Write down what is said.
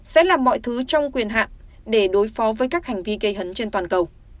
sẽ làm mọi thứ trong quyền hạn để đối phó với các hành vi gây hấn trên toàn cầu